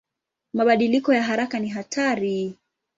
Mabadiliko ya haraka ni hatari.